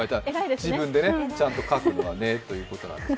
自分でちゃんと書くんだねということで。